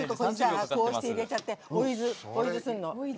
こうして入れちゃって追い酢するの。